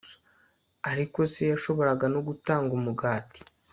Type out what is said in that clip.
ariko se, yashobora no gutanga umugati